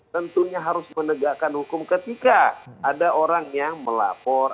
tentunya harus menegakkan hukum ketika ada orang yang melapor